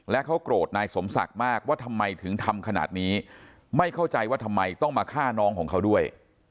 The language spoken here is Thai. และเขาโกรธนายสมศักดิ์มากว่าทำไมถึงทำขนาดนี้ไม่เข้าใจว่าทำไมต้องมาฆ่าน้องของเขาด้วย